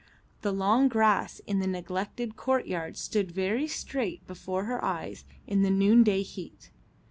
The long grass in the neglected courtyard stood very straight before her eyes in the noonday heat.